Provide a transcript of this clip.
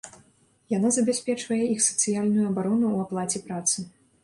Яна забяспечвае іх сацыяльную абарону ў аплаце працы.